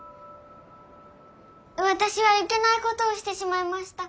私はいけないことをしてしまいました。